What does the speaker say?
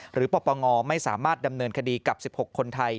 ปปงไม่สามารถดำเนินคดีกับ๑๖คนไทย